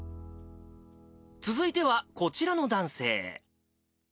続いては、こちらの男性。